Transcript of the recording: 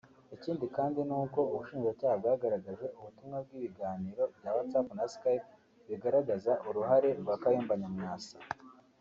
Ikindi kandi ni uko ubushinjacyaha bwagaragaje ubutumwa bw’ibiganiro bya WhatsApp na Skype bigaragaza uruhare rwa Kayumba Nyamwasa